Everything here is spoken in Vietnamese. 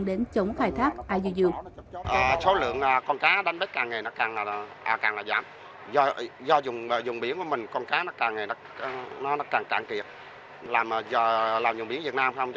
đến chống khai thác iuu